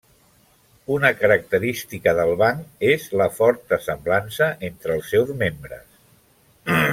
Una característica del banc és la forta semblança entre els seus membres.